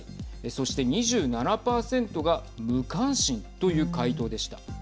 そして、２７％が無関心という回答でした。